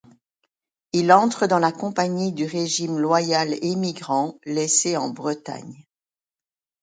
Il entre dans la compagnie du régiment Loyal Émigrant laissée en Bretagne.